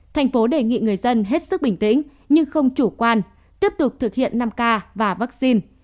thành phố đề nghị người dân hết sức bình tĩnh nhưng không chủ quan tiếp tục thực hiện năm k và vaccine